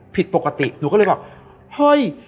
ผิดปกติหนูก็เลยแบบเฮ้ย